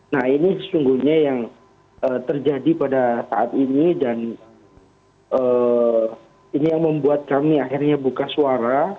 nah ini sesungguhnya yang terjadi pada saat ini dan ini yang membuat kami akhirnya buka suara